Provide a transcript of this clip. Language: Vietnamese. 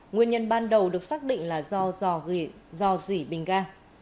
nguyên nhân ban đầu được xác định là do dỉ bình ga